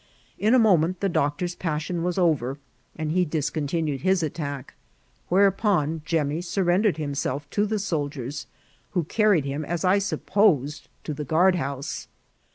In a moment the doctor's passion was over, and he discon tinued his attack, whereupon Jemmy surrendered him self to the soldiers, who carried him, as I siqpposed, to the guardhouse.